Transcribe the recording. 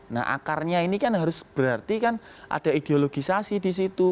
nah akarnya ini kan harus berarti kan ada ideologisasi di situ